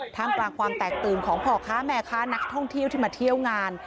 ท่ามกลางความแตกตื่นของพ่อค้าแม่ค้านักท่องเที่ยวที่มาเที่ยวงาน